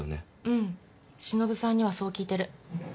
うん忍さんにはそう聞いてる。